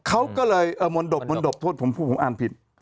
เขาก็เลยมนดบโทษผมอ่านผิด